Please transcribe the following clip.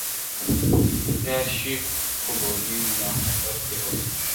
بېدار شئ خوبوليو ځان خبر کړئ اوس هم ده